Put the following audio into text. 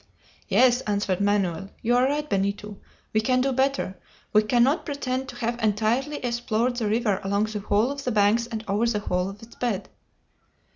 "Yes," answered Manoel; "you are right, Benito. We can do better. We cannot pretend to have entirely explored the river along the whole of the banks and over the whole of its bed."